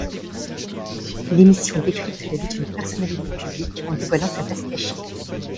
L'émission décrypte la vie d'une personnalité publique en dévoilant sa face cachée.